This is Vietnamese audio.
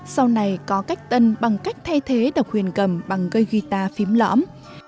sau này có cách tân bằng cách thay thế độc huyền cầm bằng gây guitar phím lõm